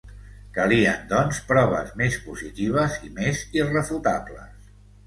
Calien doncs, proves més positives i més irrefutables.